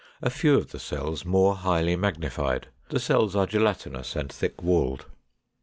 A few of the cells more highly magnified: the cells are gelatinous and thick walled.